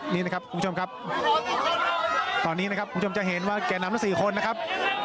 นี่นะครับคุณผู้ชมครับตอนนี้นะครับคุณผู้ชมจะเห็นว่าแก่นำทั้งสี่คนนะครับ